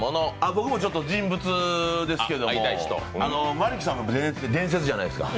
僕人物ですけども、マリックさんも伝説じゃないですか。